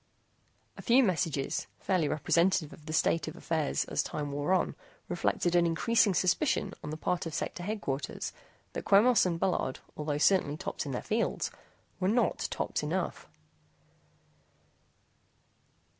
A few messages, fairly representative of the state of affairs as time wore on reflected an increasing suspicion on the part of Sector Headquarters that Quemos and Bullard, although certainly tops in their fields, were not tops enough.